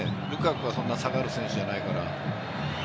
ルカクはそんなに下がる選手じゃないから。